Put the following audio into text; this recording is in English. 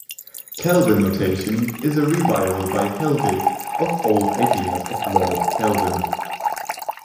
Kelvin notation is a revival by Helbig of old ideas of Lord Kelvin.